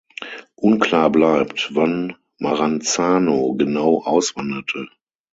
Unklar bleibt, wann Maranzano genau auswanderte.